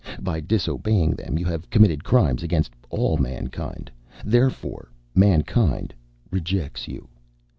By disobeying them, you have committed crimes against all mankind. Therefore mankind rejects you.